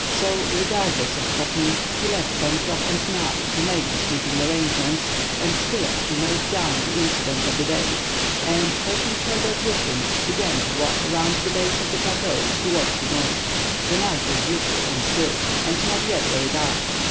So, regardless of fatigue, he left Pencroff and Neb to make the sleeping arrangements, and Spilett to note down the incidents of the day, and taking Herbert with him, began to walk around the base of the plateau towards the north. The night was beautiful and still; and not yet very dark.